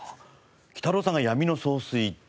きたろうさんが闇の総帥って。